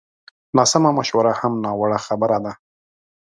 ناسمه مشوره هم ناوړه خبره ده